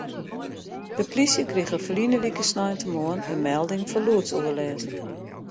De plysje krige ferline wike sneintemoarn in melding fan lûdsoerlêst.